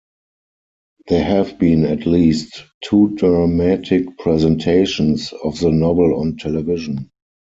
There have been at least two dramatic presentations of the novel on television.